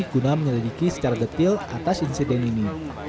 guna menyelidiki secara detil atas insiden ini